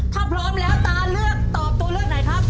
ถ้าพร้อมแล้วตาเลือกตอบตัวเลือกไหนครับ